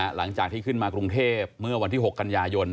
หลังจากที่ขึ้นมากรุงเทพเมื่อวันที่๖กันยายน